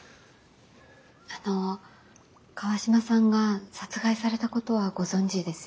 あの川島さんが殺害されたことはご存じですよね？